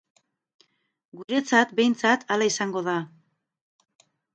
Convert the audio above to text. Guretzat, behintzat, hala izango da.